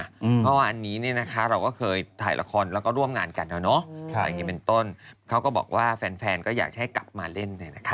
เพราะว่าอันนี้เนี่ยนะคะเราก็เคยถ่ายละครแล้วก็ร่วมงานกันอะไรอย่างนี้เป็นต้นเขาก็บอกว่าแฟนก็อยากให้กลับมาเล่นเลยนะคะ